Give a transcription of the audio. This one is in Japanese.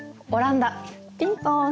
ピンポン！